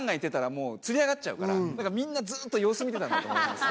だからみんなずっと様子見てたんだと思いますよ。